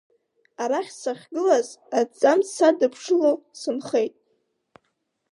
Арахь сахьгылаз аҭӡамц садыԥшыло сынхеит.